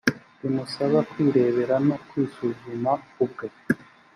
rimusaba kwirebera no kwisuzuma ubwe